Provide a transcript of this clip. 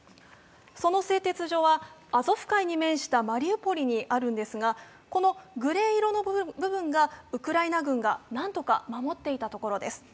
その製鉄所はアゾフ海に面したマリウポリにあるんですが、このグレー色の部分がウクライナ軍が何とか守っていた部分です。